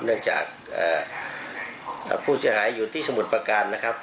เนื่องจากผู้เสียหายอยู่ที่สมุทรประการนะครับ